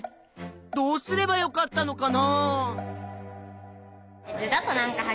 どうすればよかったのかな？